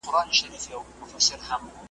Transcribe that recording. نه طبیب سوای له مرګي را ګرځولای .